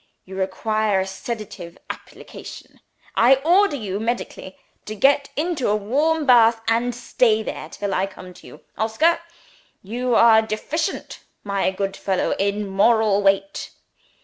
You require a sedative application. I order you, medically, to get into a warm bath, and stay there till I come to you. Oscar! you are deficient, my good fellow, in moral weight.